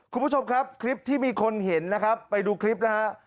คุณผู้ชมครับคลิปที่มีคนเห็นนะครับไปดูคลิปนะฮะ